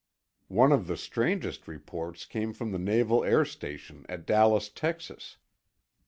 One of the strangest reports came from the naval air station at Dallas, Texas.